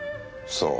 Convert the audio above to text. そう。